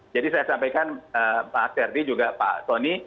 jadi saya sampaikan pak serdi juga pak tony